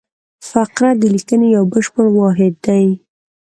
فقره د لیکني یو بشپړ واحد دئ.